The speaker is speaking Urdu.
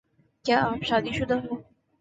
کیا آپ شادی شدہ ہو